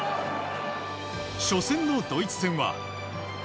初戦のドイツ戦は。